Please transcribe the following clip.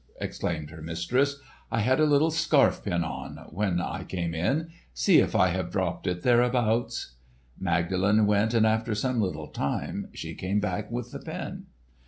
exclaimed her mistress. "I had a little scarf pin on, when I came in. See if I have dropped it thereabouts." Magdalen went and after some little time she came back with the pin.